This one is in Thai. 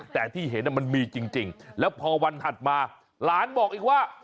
แต่ที่เห็นมันมีจริงแล้วพอวันถัดมาหลานบอกอีกว่า